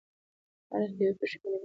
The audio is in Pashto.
تاریخ د یوې پېښې بېلابېلې اړخونه لري.